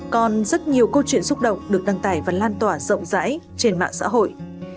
còn rất nhiều câu chuyện xúc động được đăng tải và lan tỏa rộng rãi trên mạng xã hội